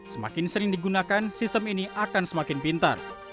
semakin sering digunakan sistem ini akan semakin pintar